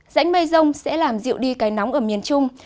dãnh mây rông sẽ làm dịu đi cái nóng ở miền trung